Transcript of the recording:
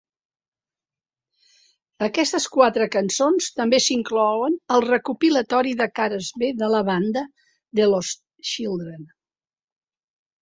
Aquestes quatre cançons també s'inclouen al recopilatori de cares b de la banda "The Lost Children".